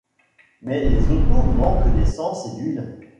Mais les autos manquent d’essence et d’huile.